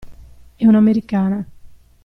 È un'americana.